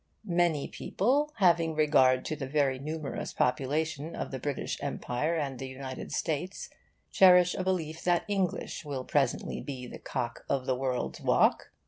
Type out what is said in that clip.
Many people, having regard to the very numerous population of the British Empire and the United States, cherish a belief that English will presently be cock of the world's walk.